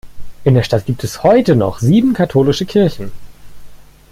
In der Stadt gibt es heute noch sieben katholische Kirchen.